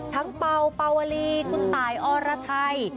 ทั้งเป่าเป่าวลีคุณตายออระไทย